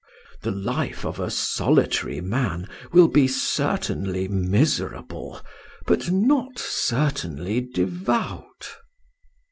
The life of a solitary man will be certainly miserable, but not certainly devout."